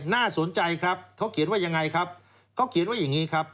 น่าสนใจครับเขาเขียนว่ายังไงครับเขาเขียนไว้อย่างนี้ครับ